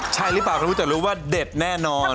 ใช่หรือเปล่าก็รู้แต่รู้ว่าเด็ดแน่นอน